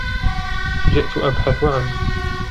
جئت أبحث عنك.